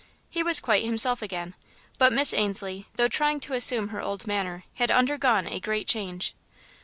He was quite himself again, but Miss Ainslie, though trying to assume her old manner, had undergone a great change.